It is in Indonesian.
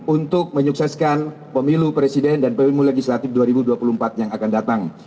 untuk menyukseskan pemilu presiden dan pemilu legislatif dua ribu dua puluh empat yang akan datang